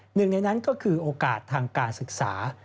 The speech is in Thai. หนึ่งในนั้นก็คือโอกาสทางการศึกษา